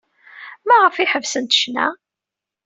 Maɣef ay ḥebsent ccna?